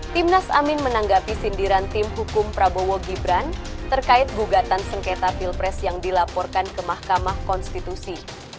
timnas amin menanggapi sindiran tim hukum prabowo gibran terkait gugatan sengketa pilpres yang dilaporkan ke mahkamah konstitusi